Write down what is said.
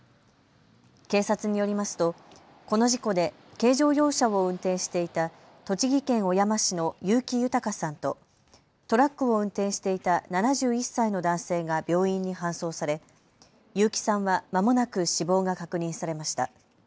警察によりますと、この事故で軽乗用車を運転していた栃木県小山市の結城豊さんとトラックを運転していた７１歳の男性が病院に搬送され結城さんはまもなく死亡が確認されました。